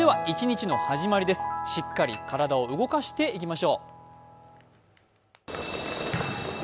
一日の始まりです、しっかり体を動かしていきましょう。